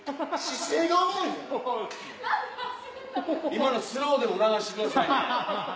今のスローでも流してくださいね。